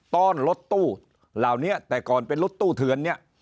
ตอนรถตู้เหล่านี้แต่ก่อนเป็นรถตู้เถือนเนี่ย